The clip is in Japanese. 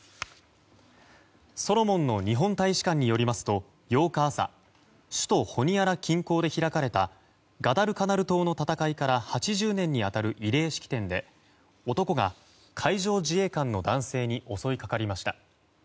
ソロモンの日本大使館によりますと８日朝首都ホニアラ近郊で開かれたガダルカナル島の戦いから８０年に当たる慰霊式典で男が海上自衛官の男性に襲いかかりました。